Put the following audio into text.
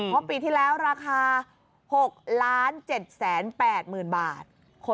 งบปีที่แล้วราคา๖ล้าน๗แสน๘หมื่นบาท